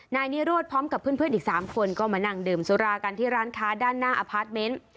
นายนิโรธพร้อมกับเพื่อนอีก๓คนก็มานั่งดื่มสุรากันที่ร้านค้าด้านหน้าอพาร์ทเมนต์